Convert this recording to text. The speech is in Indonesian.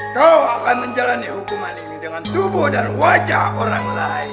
kau akan menjalani hukuman ini dengan tubuh dan wajah orang lain